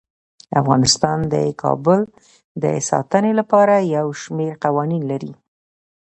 افغانستان د کابل د ساتنې لپاره یو شمیر قوانین لري.